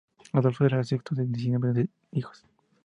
Adolfo era el sexto de diecinueve hijos.